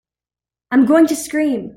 I'm going to scream!